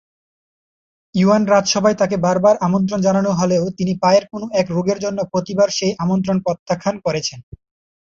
Yuan রাজসভায় তাকে বারবার আমন্ত্রণ জানানো হলেও তিনি পায়ের কোন এক রোগের জন্য প্রতিবার সেই আমন্ত্রণ প্রত্যাখ্যান করেছেন।